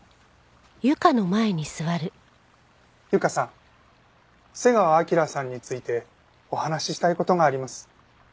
優香さん瀬川彰さんについてお話ししたい事があります。